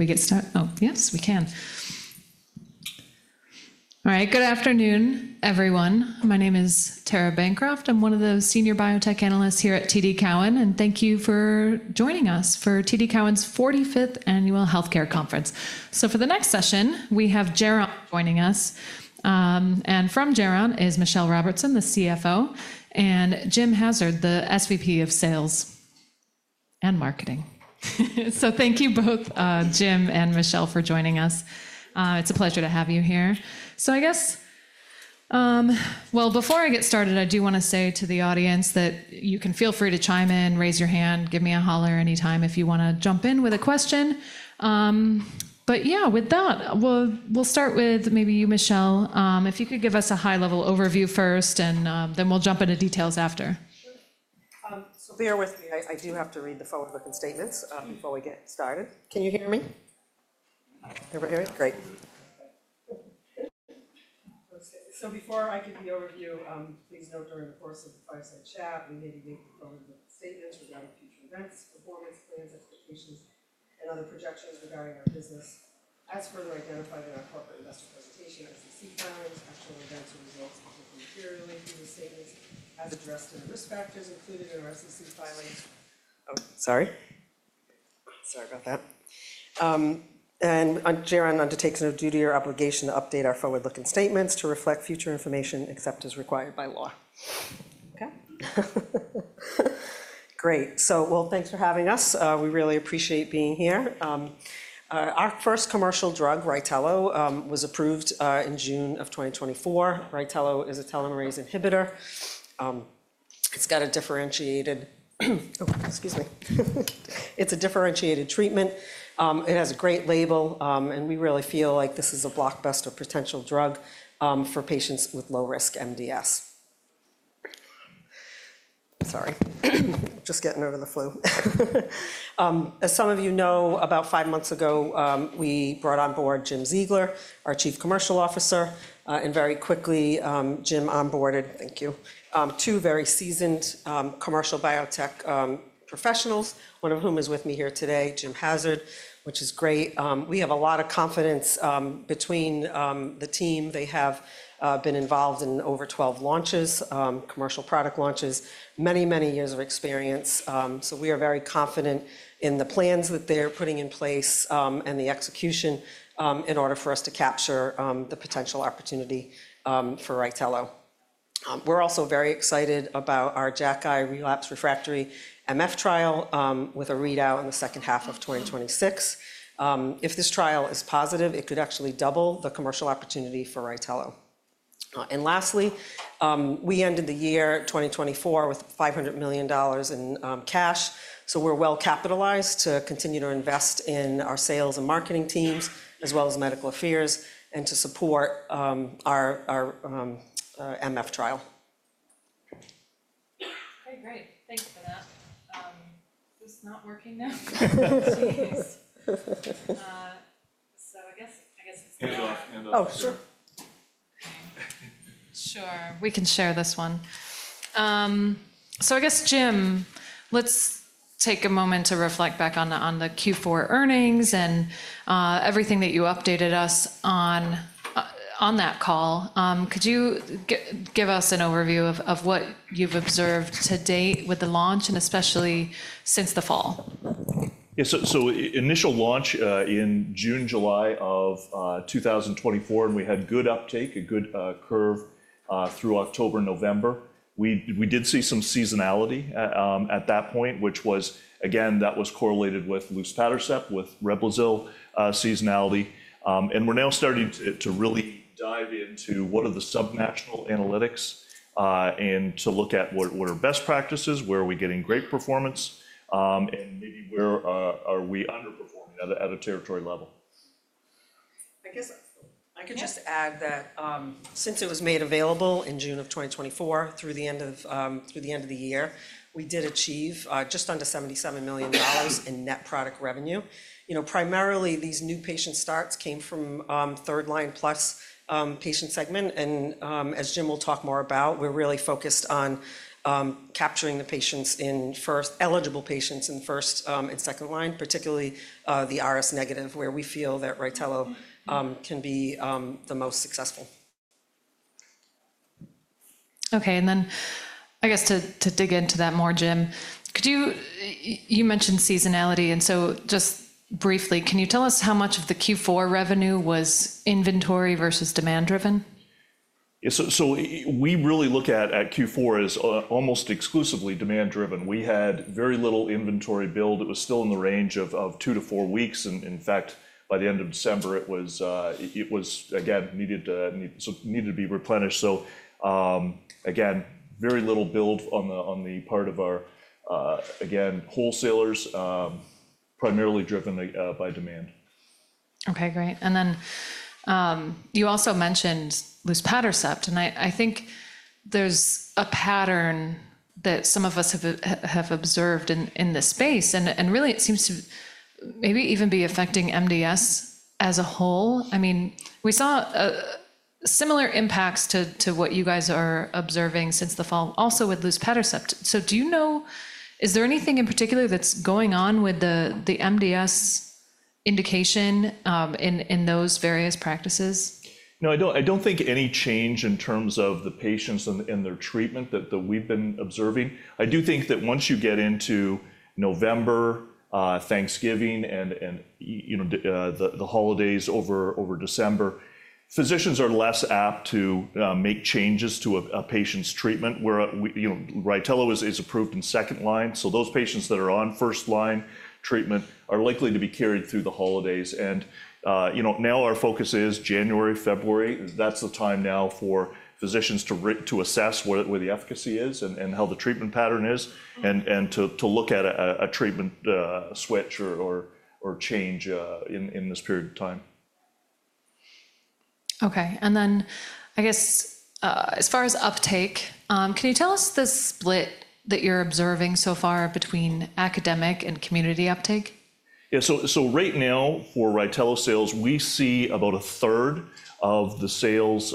Can we get started? Oh, yes, we can. All right, good afternoon, everyone. My name is Tara Bancroft. I'm one of the senior biotech analysts here at TD Cowen, and thank you for joining us for TD Cowen's 45th Annual Healthcare Conference. For the next session, we have Geron joining us. From Geron is Michelle Robertson, the CFO, and Jim Hassard, the SVP of Sales and Marketing. Thank you both, Jim and Michelle, for joining us. It's a pleasure to have you here. I guess, before I get started, I do want to say to the audience that you can feel free to chime in, raise your hand, give me a holler anytime if you want to jump in with a question. With that, we'll start with maybe you, Michelle. If you could give us a high-level overview first, and then we'll jump into details after. Bear with me. I do have to read the phone book and statements before we get started. Can you hear me? Great. Before I give the overview, please note during the course of the five-second chat, we may be making forward-looking statements regarding future events, performance plans, expectations, and other projections regarding our business as further identified in our corporate investor presentation as we see fit. Actual events and results may differ materially from these statements as addressed in the risk factors included in our SEC filings. Sorry. Sorry about that. Geron undertakes no duty or obligation to update our forward-looking statements to reflect future information except as required by law. Great. Thanks for having us. We really appreciate being here. Our first commercial drug, Rytelo, was approved in June of 2024. Rytelo is a telomerase inhibitor. It is a differentiated treatment. It has a great label, and we really feel like this is a blockbuster potential drug for patients with low-risk MDS. Sorry. Just getting over the flu. As some of you know, about five months ago, we brought on board Jim Ziegler, our Chief Commercial Officer, and very quickly, Jim onboarded two very seasoned commercial biotech professionals, one of whom is with me here today, Jim Hassard, which is great. We have a lot of confidence between the team. They have been involved in over 12 launches, commercial product launches, many, many years of experience. We are very confident in the plans that they're putting in place and the execution in order for us to capture the potential opportunity for Rytelo. We are also very excited about our JAKi relapsed refractory MF trial with a readout in the second half of 2026. If this trial is positive, it could actually double the commercial opportunity for Rytelo. Lastly, we ended the year 2024 with $500 million in cash. We are well capitalized to continue to invest in our sales and marketing teams, as well as medical affairs, and to support our MF trial. Okay, great. Thanks for that. This is not working now. I guess it's— Oh, sure. Sure. We can share this one. I guess, Jim, let's take a moment to reflect back on the Q4 earnings and everything that you updated us on that call. Could you give us an overview of what you've observed to date with the launch, and especially since the fall? Yeah. Initial launch in June, July of 2024, and we had good uptake, a good curve through October and November. We did see some seasonality at that point, which was, again, that was correlated with luspatercept, with Reblozyl seasonality. We're now starting to really dive into what are the subnational analytics and to look at what are best practices, where are we getting great performance, and maybe where are we underperforming at a territory level. I guess I could just add that since it was made available in June of 2024, through the end of the year, we did achieve just under $77 million in net product revenue. Primarily, these new patient starts came from third-line plus patient segment. As Jim will talk more about, we're really focused on capturing the patients in first eligible patients in first and second line, particularly the RS negative, where we feel that Rytelo can be the most successful. Okay. I guess to dig into that more, Jim, you mentioned seasonality. Just briefly, can you tell us how much of the Q4 revenue was inventory versus demand-driven? Yeah. We really look at Q4 as almost exclusively demand-driven. We had very little inventory build. It was still in the range of two to four weeks. In fact, by the end of December, it was, again, needed to be replenished. Very little build on the part of our wholesalers, primarily driven by demand. Okay. Great. You also mentioned Reblozyl. I think there's a pattern that some of us have observed in this space. It really seems to maybe even be affecting MDS as a whole. I mean, we saw similar impacts to what you guys are observing since the fall, also with Reblozyl. Do you know, is there anything in particular that's going on with the MDS indication in those various practices? No, I don't think any change in terms of the patients and their treatment that we've been observing. I do think that once you get into November, Thanksgiving, and the holidays over December, physicians are less apt to make changes to a patient's treatment. Rytelo is approved in second line. So those patients that are on first-line treatment are likely to be carried through the holidays. Now our focus is January, February. That's the time now for physicians to assess where the efficacy is and how the treatment pattern is and to look at a treatment switch or change in this period of time. Okay. I guess as far as uptake, can you tell us the split that you're observing so far between academic and community uptake? Yeah. Right now, for Rytelo sales, we see about a third of the sales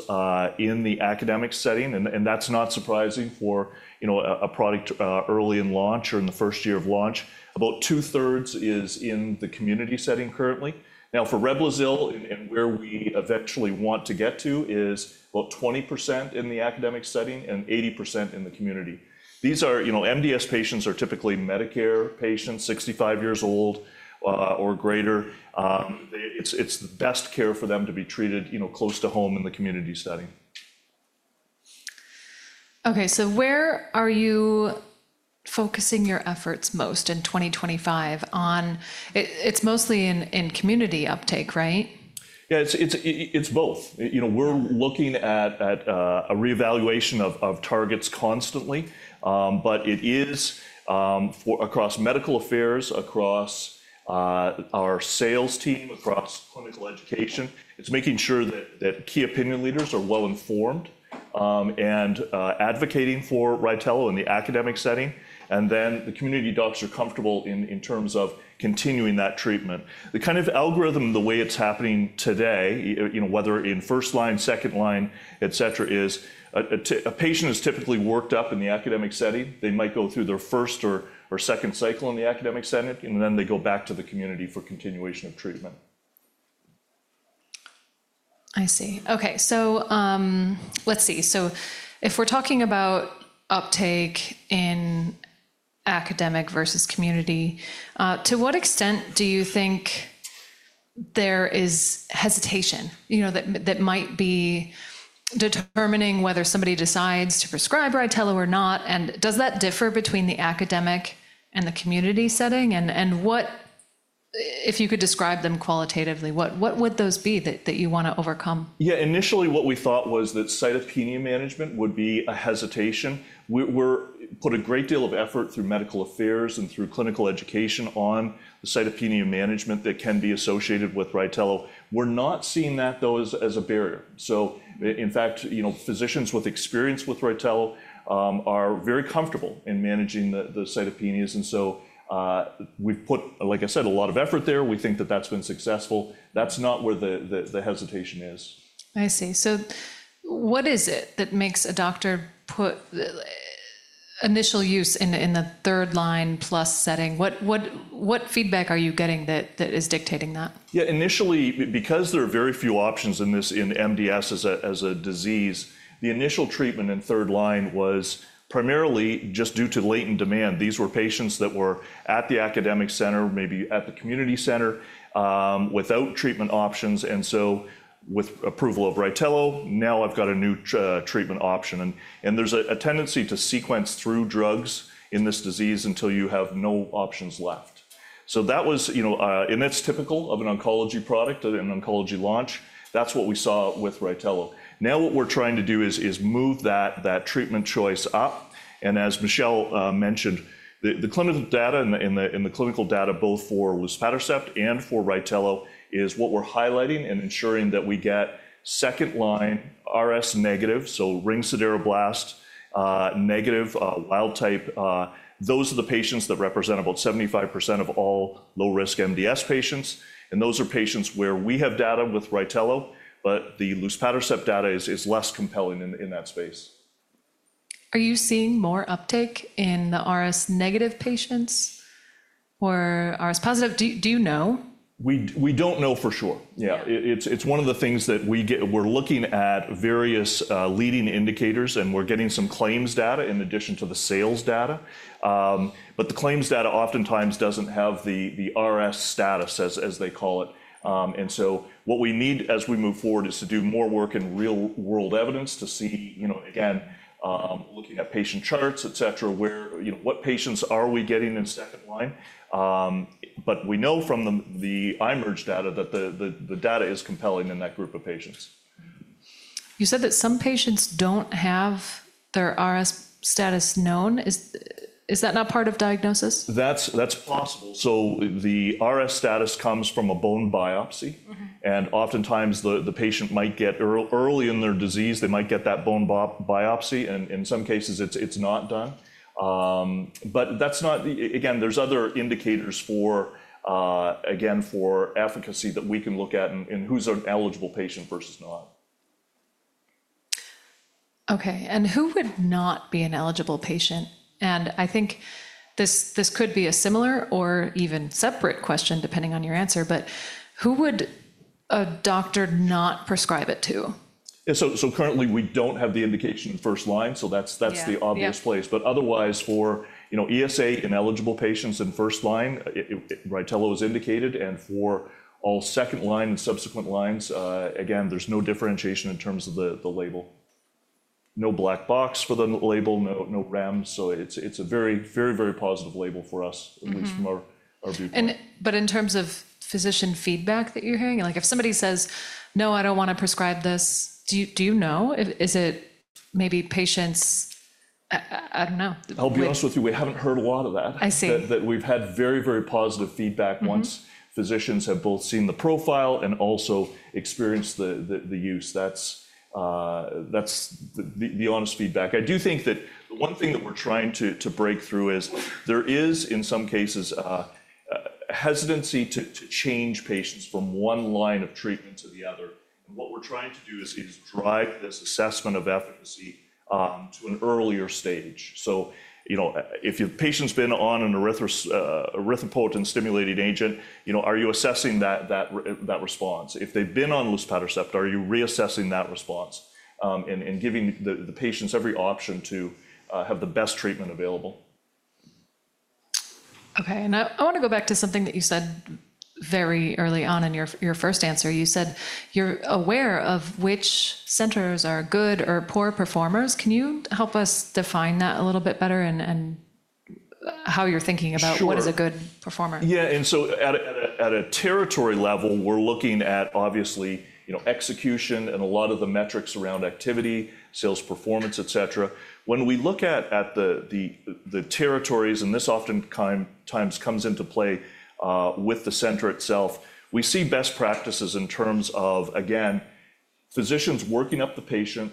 in the academic setting. That's not surprising for a product early in launch or in the first year of launch. About two-thirds is in the community setting currently. Now, for Reblozyl, and where we eventually want to get to is about 20% in the academic setting and 80% in the community. These MDS patients are typically Medicare patients, 65 years old or greater. It's the best care for them to be treated close to home in the community setting. Okay. Where are you focusing your efforts most in 2025? It's mostly in community uptake, right? Yeah. It's both. We're looking at a reevaluation of targets constantly, but it is across medical affairs, across our sales team, across clinical education. It's making sure that key opinion leaders are well-informed and advocating for Rytelo in the academic setting, and then the community docs are comfortable in terms of continuing that treatment. The kind of algorithm, the way it's happening today, whether in first line, second line, etc., is a patient is typically worked up in the academic setting. They might go through their first or second cycle in the academic setting, and then they go back to the community for continuation of treatment. I see. Okay. Let's see. If we're talking about uptake in academic versus community, to what extent do you think there is hesitation that might be determining whether somebody decides to prescribe Rytelo or not? Does that differ between the academic and the community setting? If you could describe them qualitatively, what would those be that you want to overcome? Yeah. Initially, what we thought was that cytopenia management would be a hesitation. We put a great deal of effort through medical affairs and through clinical education on the cytopenia management that can be associated with Rytelo. We're not seeing that, though, as a barrier. In fact, physicians with experience with Rytelo are very comfortable in managing the cytopenias. We have put, like I said, a lot of effort there. We think that that's been successful. That's not where the hesitation is. I see. What is it that makes a doctor put initial use in the third-line plus setting? What feedback are you getting that is dictating that? Yeah. Initially, because there are very few options in MDS as a disease, the initial treatment in third line was primarily just due to latent demand. These were patients that were at the academic center, maybe at the community center, without treatment options. With approval of Rytelo, now I've got a new treatment option. There is a tendency to sequence through drugs in this disease until you have no options left. That was, and that's typical of an oncology product, an oncology launch. That's what we saw with Rytelo. Now what we're trying to do is move that treatment choice up. As Michelle mentioned, the clinical data and the clinical data, both for luspatercept and for Rytelo, is what we're highlighting and ensuring that we get second-line RS negative, so ring sideroblast negative, wild type. Those are the patients that represent about 75% of all low-risk MDS patients. Those are patients where we have data with Rytelo, but the Reblozyl data is less compelling in that space. Are you seeing more uptake in the RS negative patients or RS positive? Do you know? We don't know for sure. Yeah. It's one of the things that we're looking at, various leading indicators, and we're getting some claims data in addition to the sales data. The claims data oftentimes doesn't have the RS status, as they call it. What we need as we move forward is to do more work in real-world evidence to see, again, looking at patient charts, etc., what patients are we getting in second line. We know from the iMERG data that the data is compelling in that group of patients. You said that some patients don't have their RS status known. Is that not part of diagnosis? That's possible. The RS status comes from a bone biopsy. Oftentimes, the patient might get early in their disease, they might get that bone biopsy. In some cases, it's not done. Again, there are other indicators for efficacy that we can look at and who's an eligible patient versus not. Okay. Who would not be an eligible patient? I think this could be a similar or even separate question, depending on your answer, but who would a doctor not prescribe it to? Yeah. Currently, we don't have the indication in first line. That's the obvious place. Otherwise, for ESA ineligible patients in first line, Rytelo is indicated. For all second line and subsequent lines, again, there's no differentiation in terms of the label. No black box for the label, no REMS. It's a very, very, very positive label for us, at least from our viewpoint. In terms of physician feedback that you're hearing, like if somebody says, "No, I don't want to prescribe this," do you know? Is it maybe patients? I don't know. I'll be honest with you, we haven't heard a lot of that. I see. That we've had very, very positive feedback once physicians have both seen the profile and also experienced the use. That's the honest feedback. I do think that one thing that we're trying to break through is there is, in some cases, hesitancy to change patients from one line of treatment to the other. What we're trying to do is drive this assessment of efficacy to an earlier stage. If the patient's been on an erythropoiesis-stimulating agent, are you assessing that response? If they've been on Reblozyl, are you reassessing that response and giving the patients every option to have the best treatment available? Okay. I want to go back to something that you said very early on in your first answer. You said you're aware of which centers are good or poor performers. Can you help us define that a little bit better and how you're thinking about what is a good performer? Yeah. At a territory level, we're looking at, obviously, execution and a lot of the metrics around activity, sales performance, etc. When we look at the territories, and this oftentimes comes into play with the center itself, we see best practices in terms of, again, physicians working up the patient,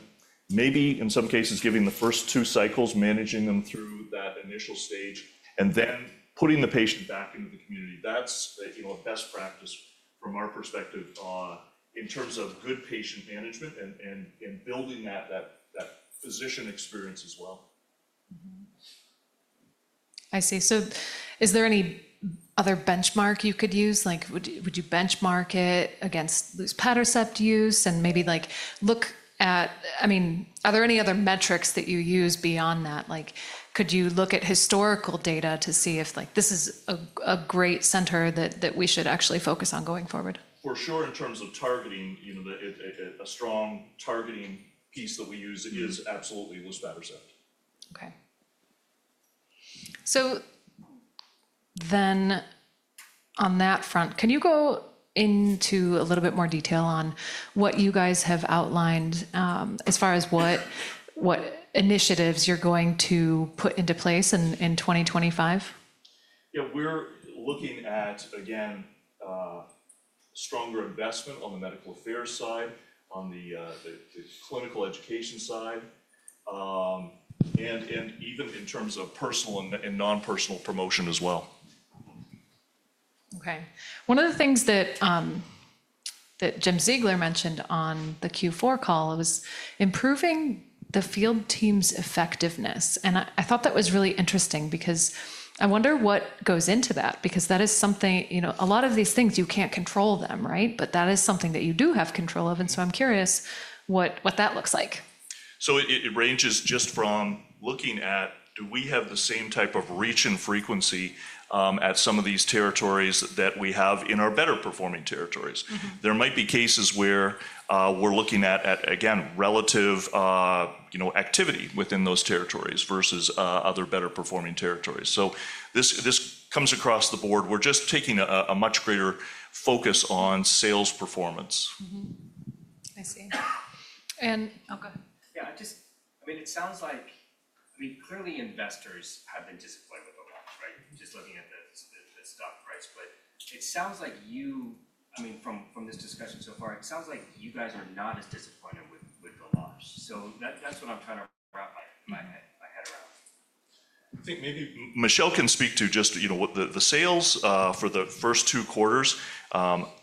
maybe in some cases giving the first two cycles, managing them through that initial stage, and then putting the patient back into the community. That's a best practice from our perspective in terms of good patient management and building that physician experience as well. I see. Is there any other benchmark you could use? Would you benchmark it against Reblozyl use and maybe look at, I mean, are there any other metrics that you use beyond that? Could you look at historical data to see if this is a great center that we should actually focus on going forward? For sure, in terms of targeting, a strong targeting piece that we use is absolutely Reblozyl. Okay. So then on that front, can you go into a little bit more detail on what you guys have outlined as far as what initiatives you're going to put into place in 2025? Yeah. We're looking at, again, stronger investment on the medical affairs side, on the clinical education side, and even in terms of personal and non-personal promotion as well. Okay. One of the things that Jim Ziegler mentioned on the Q4 call was improving the field team's effectiveness. I thought that was really interesting because I wonder what goes into that because that is something a lot of these things, you can't control them, right? That is something that you do have control of. I am curious what that looks like. It ranges just from looking at, do we have the same type of reach and frequency at some of these territories that we have in our better-performing territories? There might be cases where we're looking at, again, relative activity within those territories versus other better-performing territories. This comes across the board. We're just taking a much greater focus on sales performance. I see. Oh, go ahead. Yeah. I mean, it sounds like, I mean, clearly investors have been disappointed with the launch, right? Just looking at the stock price split. It sounds like you, I mean, from this discussion so far, it sounds like you guys are not as disappointed with the launch. That is what I'm trying to wrap my head around. I think maybe Michelle can speak to just the sales for the first two quarters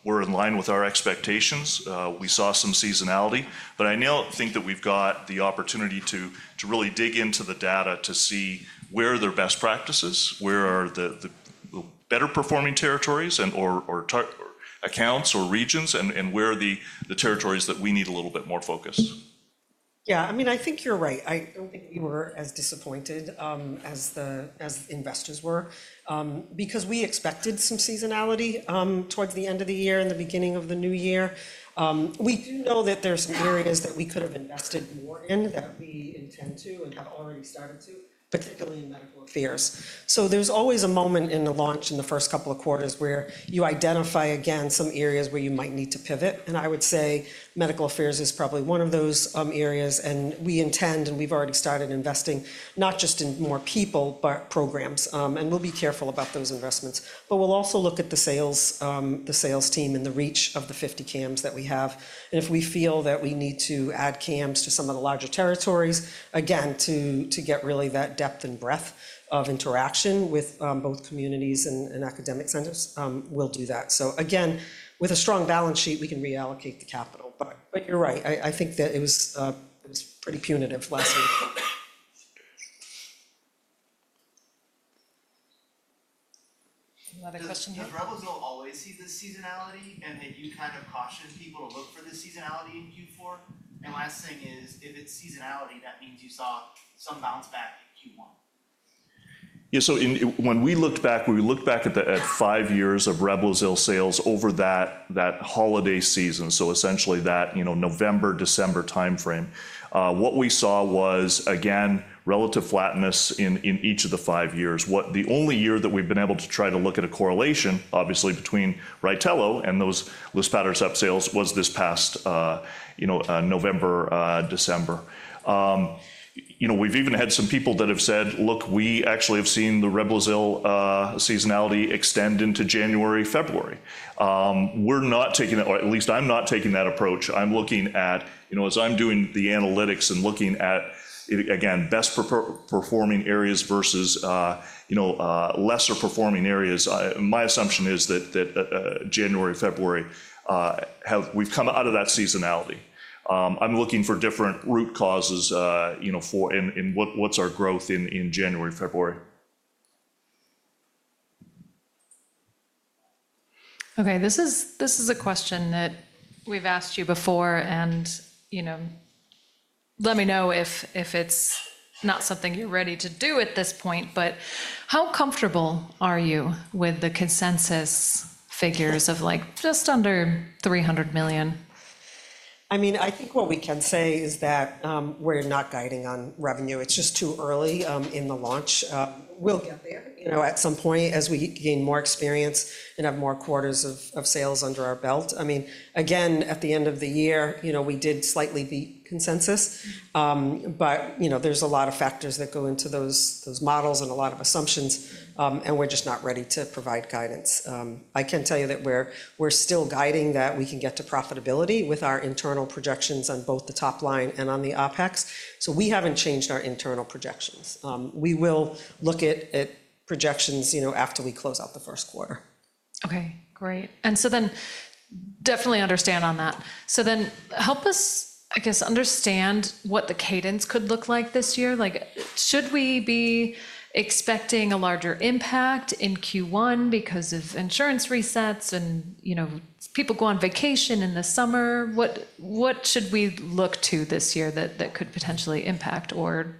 were in line with our expectations. We saw some seasonality. I now think that we've got the opportunity to really dig into the data to see where are their best practices, where are the better-performing territories or accounts or regions, and where are the territories that we need a little bit more focus. Yeah. I mean, I think you're right. I don't think we were as disappointed as the investors were because we expected some seasonality towards the end of the year and the beginning of the new year. We do know that there are some areas that we could have invested more in that we intend to and have already started to, particularly in medical affairs. There is always a moment in the launch in the first couple of quarters where you identify, again, some areas where you might need to pivot. I would say medical affairs is probably one of those areas. We intend, and we've already started investing not just in more people, but programs. We will be careful about those investments. We will also look at the sales team and the reach of the 50 cams that we have. If we feel that we need to add CAMs to some of the larger territories, again, to get really that depth and breadth of interaction with both communities and academic centers, we'll do that. Again, with a strong balance sheet, we can reallocate the capital. You're right. I think that it was pretty punitive last week. Another question here. Does Reblozyl always see the seasonality? Have you kind of cautioned people to look for the seasonality in Q4? Last thing is, if it is seasonality, that means you saw some bounce back in Q1. Yeah. When we looked back, we looked back at five years of Reblozyl sales over that holiday season, so essentially that November, December timeframe. What we saw was, again, relative flatness in each of the five years. The only year that we've been able to try to look at a correlation, obviously, between Rytelo and those luspatercept sales was this past November, December. We've even had some people that have said, "Look, we actually have seen the Reblozyl seasonality extend into January, February." We're not taking that, or at least I'm not taking that approach. I'm looking at, as I'm doing the analytics and looking at, again, best-performing areas versus lesser-performing areas. My assumption is that January, February, we've come out of that seasonality. I'm looking for different root causes and what's our growth in January, February. Okay. This is a question that we've asked you before. Let me know if it's not something you're ready to do at this point. How comfortable are you with the consensus figures of just under $300 million? I mean, I think what we can say is that we're not guiding on revenue. It's just too early in the launch. We'll get there at some point as we gain more experience and have more quarters of sales under our belt. I mean, again, at the end of the year, we did slightly beat consensus. There are a lot of factors that go into those models and a lot of assumptions. We're just not ready to provide guidance. I can tell you that we're still guiding that we can get to profitability with our internal projections on both the top line and on the OpEx. We haven't changed our internal projections. We will look at projections after we close out the first quarter. Okay. Great. I definitely understand on that. Help us, I guess, understand what the cadence could look like this year. Should we be expecting a larger impact in Q1 because of insurance resets and people go on vacation in the summer? What should we look to this year that could potentially impact or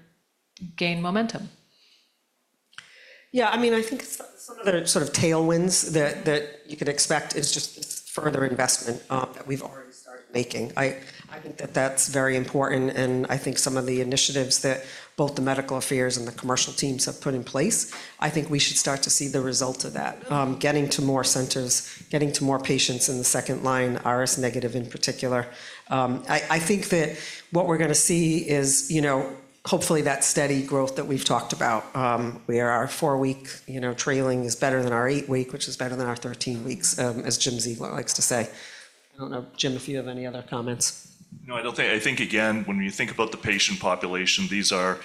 gain momentum? Yeah. I mean, I think some of the sort of tailwinds that you can expect is just this further investment that we've already started making. I think that that's very important. I think some of the initiatives that both the medical affairs and the commercial teams have put in place, I think we should start to see the results of that, getting to more centers, getting to more patients in the second line, RS negative in particular. I think that what we're going to see is, hopefully, that steady growth that we've talked about where our four-week trailing is better than our eight-week, which is better than our 13 weeks, as Jim Ziegler likes to say. I don't know, Jim, if you have any other comments. No. I think, again, when you think about the patient population, these are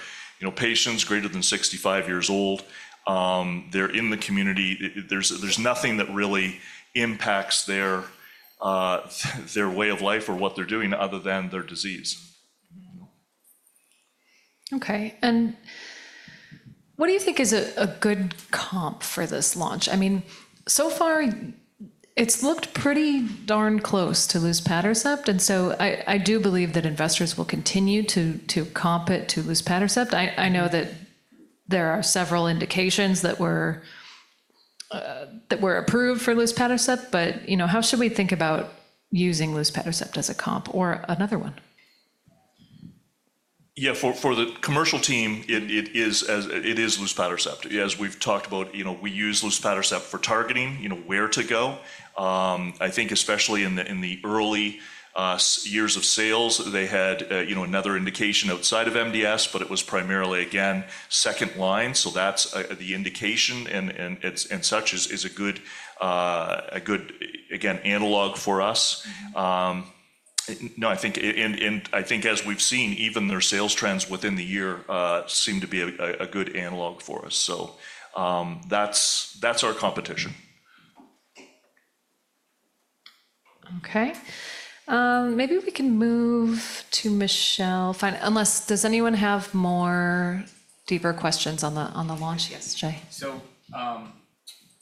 patients greater than 65 years old. They're in the community. There's nothing that really impacts their way of life or what they're doing other than their disease. Okay. What do you think is a good comp for this launch? I mean, so far, it has looked pretty darn close to Reblozyl. I do believe that investors will continue to comp it to Reblozyl. I know that there are several indications that were approved for Reblozyl. How should we think about using Reblozyl as a comp or another one? Yeah. For the commercial team, it is Reblozyl. As we've talked about, we use Reblozyl for targeting where to go. I think especially in the early years of sales, they had another indication outside of MDS, but it was primarily, again, second line. That is the indication. Such is a good, again, analog for us. No, I think, and I think as we've seen, even their sales trends within the year seem to be a good analog for us. That is our competition. Okay. Maybe we can move to Michelle. Does anyone have more deeper questions on the launch? Yes, Jay.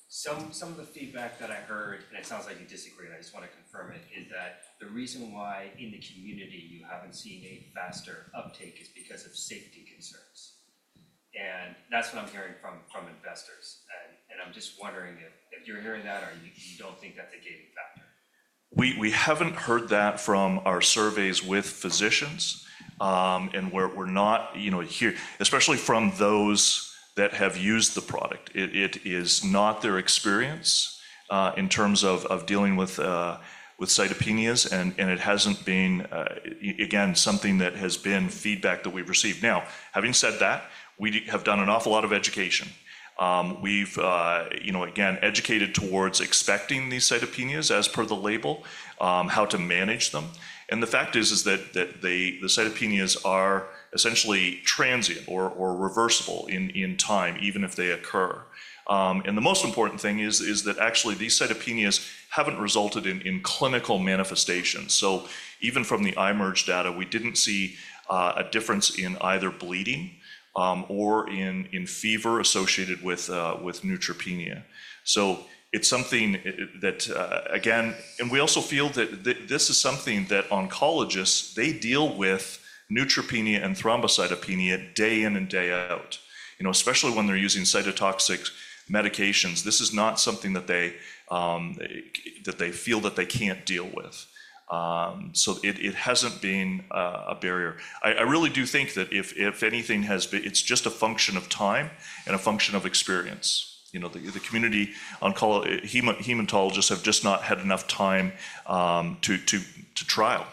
Some of the feedback that I heard, and it sounds like you disagree, and I just want to confirm it, is that the reason why in the community you have not seen a faster uptake is because of safety concerns. That is what I am hearing from investors. I am just wondering if you are hearing that or you do not think that is a gating factor. We haven't heard that from our surveys with physicians and where we're not here, especially from those that have used the product. It is not their experience in terms of dealing with cytopenias. It hasn't been, again, something that has been feedback that we've received. Now, having said that, we have done an awful lot of education. We've, again, educated towards expecting these cytopenias as per the label, how to manage them. The fact is that the cytopenias are essentially transient or reversible in time, even if they occur. The most important thing is that actually these cytopenias haven't resulted in clinical manifestations. Even from the iMERG data, we didn't see a difference in either bleeding or in fever associated with neutropenia. It is something that, again, and we also feel that this is something that oncologists, they deal with neutropenia and thrombocytopenia day in and day out, especially when they're using cytotoxic medications. This is not something that they feel that they can't deal with. It hasn't been a barrier. I really do think that if anything has been, it's just a function of time and a function of experience. The community hematologists have just not had enough time to trial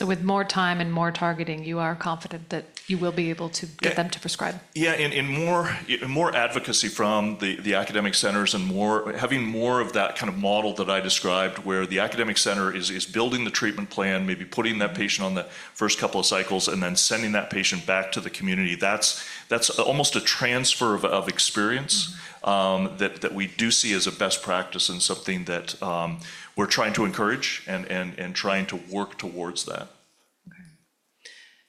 Rytelo. With more time and more targeting, you are confident that you will be able to get them to prescribe? Yeah. More advocacy from the academic centers and having more of that kind of model that I described where the academic center is building the treatment plan, maybe putting that patient on the first couple of cycles, and then sending that patient back to the community. That's almost a transfer of experience that we do see as a best practice and something that we're trying to encourage and trying to work towards that.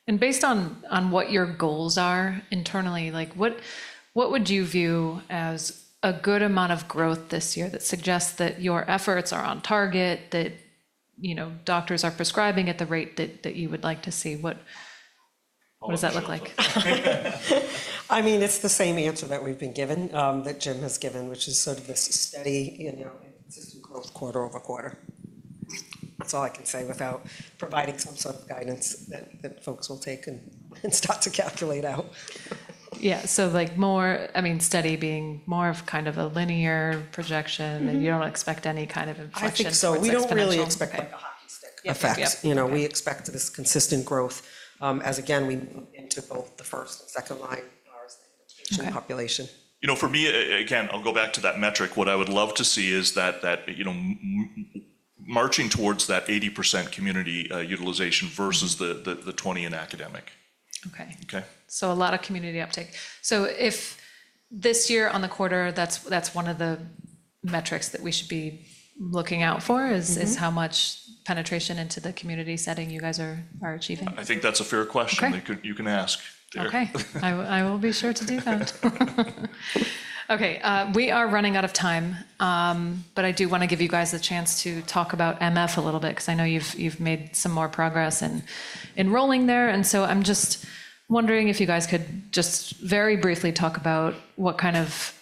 Okay. Based on what your goals are internally, what would you view as a good amount of growth this year that suggests that your efforts are on target, that doctors are prescribing at the rate that you would like to see? What does that look like? I mean, it's the same answer that we've been given, that Jim has given, which is sort of this steady consistent growth quarter over quarter. That's all I can say without providing some sort of guidance that folks will take and start to calculate out. Yeah. So I mean, steady being more of kind of a linear projection and you don't expect any kind of infectious or disease effects. I think so. We do not really expect a hockey stick effect. We expect this consistent growth as, again, we move into both the first and second line RS negative patient population. For me, again, I'll go back to that metric. What I would love to see is that marching towards that 80% community utilization versus the 20 in academic. Okay. A lot of community uptake. If this year on the quarter, that's one of the metrics that we should be looking out for is how much penetration into the community setting you guys are achieving? I think that's a fair question. You can ask. Okay. I will be sure to do that. Okay. We are running out of time. I do want to give you guys a chance to talk about MF a little bit because I know you've made some more progress in enrolling there. I am just wondering if you guys could just very briefly talk about what kind of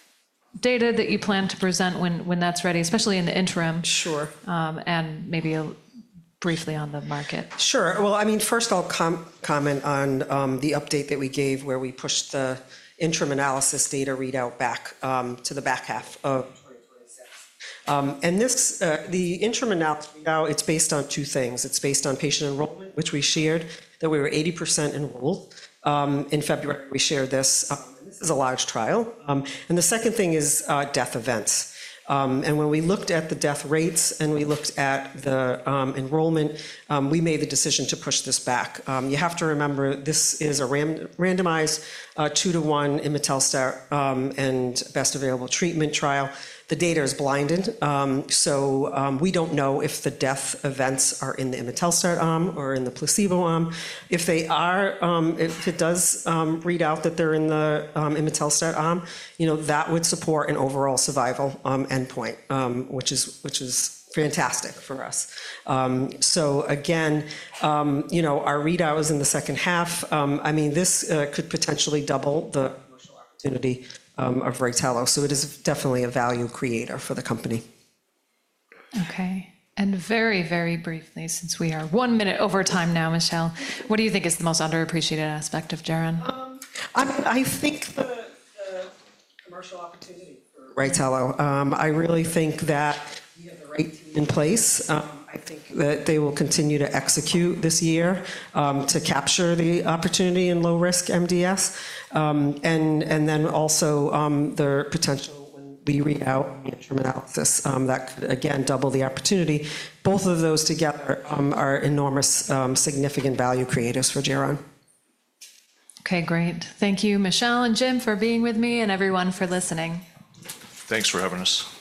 data that you plan to present when that's ready, especially in the interim, and maybe briefly on the market. Sure. I mean, first I'll comment on the update that we gave where we pushed the interim analysis data readout back to the back half of 2026. The interim analysis readout, it's based on two things. It's based on patient enrollment, which we shared that we were 80% enrolled. In February, we shared this. This is a large trial. The second thing is death events. When we looked at the death rates and we looked at the enrollment, we made the decision to push this back. You have to remember this is a randomized two-to-one imetelstat and best available treatment trial. The data is blinded. We don't know if the death events are in the imetelstat arm or in the placebo arm. If it does read out that they're in the imetelstat arm, that would support an overall survival endpoint, which is fantastic for us. Again, our readout was in the second half. I mean, this could potentially double the commercial opportunity of Rytelo. It is definitely a value creator for the company. Okay. Very, very briefly, since we are one minute over time now, Michelle, what do you think is the most underappreciated aspect of Geron? I think the commercial opportunity for Rytelo. I really think that we have the right team in place. I think that they will continue to execute this year to capture the opportunity in low-risk MDS. Also the potential when we read out the interim analysis that could, again, double the opportunity. Both of those together are enormous, significant value creators for Geron. Okay. Great. Thank you, Michelle and Jim, for being with me and everyone for listening. Thanks for having us.